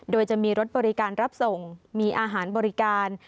โดยจะมีรถบริการรับส่งมีอาหารบริการ